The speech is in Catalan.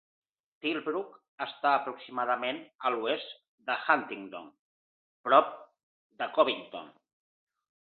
Tilbrook està aproximadament a l'oest de Huntingdon, prop de Covington.